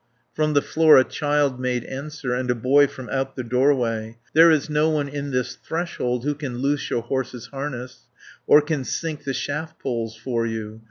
From the floor a child made answer. And a boy from out the doorway: "There is no one in this threshold, Who can loose your horse's harness, Or can sink the shaft poles for you.